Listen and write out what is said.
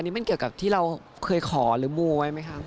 นี่มันเกี่ยวกับที่เราเคยขอหรือมูไว้ไหมคะ